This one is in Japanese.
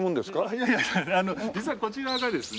いやいや実はこちらがですね